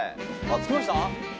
「着きました？」